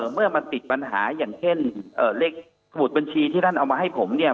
เมื่อมันติดปัญหาอย่างเช่นเลขสมุดบัญชีที่ท่านเอามาให้ผมเนี่ย